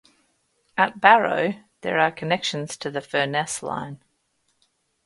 At Barrow, there are connections to the Furness Line.